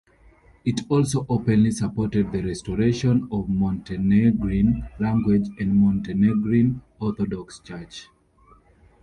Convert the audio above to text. It also openly supported the restoration of Montenegrin language and Montenegrin Orthodox Church.